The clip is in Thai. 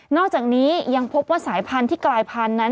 อกจากนี้ยังพบว่าสายพันธุ์ที่กลายพันธุ์นั้น